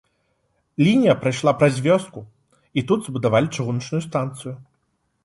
Лінія прайшла праз вёску, і тут збудавалі чыгуначную станцыю.